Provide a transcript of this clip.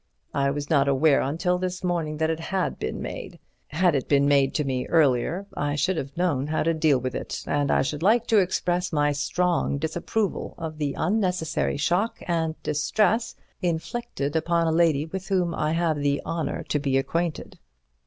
I was not aware until this morning that it had been made; had it been made to me earlier I should have known how to deal with it, and I should like to express my strong disapproval of the unnecessary shock and distress inflicted upon a lady with whom I have the honour to be acquainted."